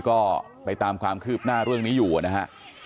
ก็ไปตามความคืบหน้าเรื่องนี้อยู่นะฮะ